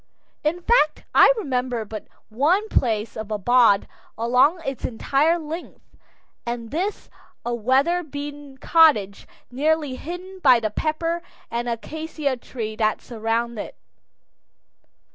In fact, I remember but one place of abode along its entire length, and this, a weather beaten cottage nearly hidden by the pepper and acacia trees that surround it.